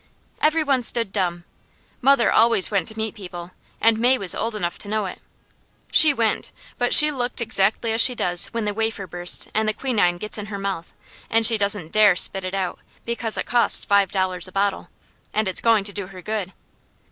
Every one stood dumb. Mother always went to meet people and May was old enough to know it. She went, but she looked exactly as she does when the wafer bursts and the quinine gets in her mouth, and she doesn't dare spit it out, because it costs five dollars a bottle, and it's going to do her good.